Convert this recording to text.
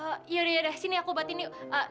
eh yudah yudah sini aku obatin yuk